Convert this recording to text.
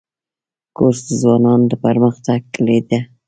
کورس د ځوانانو د پرمختګ کلۍ ده.